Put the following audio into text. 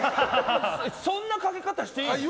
そんな賭け方していいの？